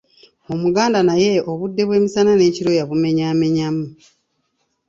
Omuganda naye obudde bw'emisana n’ekiro yabumenyaamenyamu